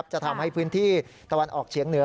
จะทำให้พื้นที่ตะวันออกเฉียงเหนือ